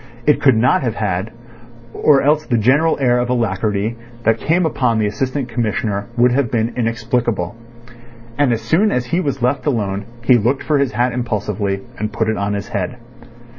It could not have had, or else the general air of alacrity that came upon the Assistant Commissioner would have been inexplicable. As soon as he was left alone he looked for his hat impulsively, and put it on his head.